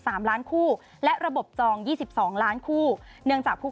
สามล้านคู่และระบบจองยี่สิบสองล้านคู่เนื่องจากผู้